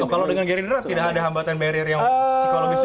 kalau dengan gerindra tidak ada hambatan psikologis